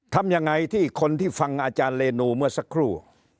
ทำยังไงที่คนที่ฟังอาจารย์เรนูเมื่อสักครู่